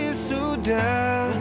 nunggu apa lagi